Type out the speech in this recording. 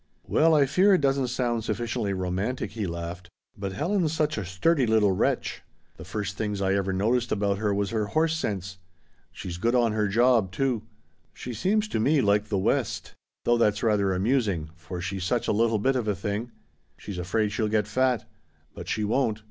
"Well I fear it doesn't sound sufficiently romantic," he laughed, "but Helen's such a sturdy little wretch. The first things I ever noticed about her was her horse sense. She's good on her job, too. She seems to me like the West. Though that's rather amusing, for she's such a little bit of a thing. She's afraid she'll get fat. But she won't.